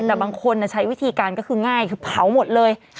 แต่บางคนใช้วิธีการก็คือง่ายคือเผาหมดเลย